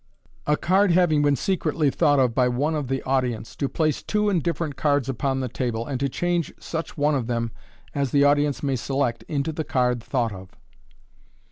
A Card having been Secretly Thought of by one of thi Audience, to place two Indifferent Cards upon the table, and to Change such one of them as the Audience may select into the Card thought of.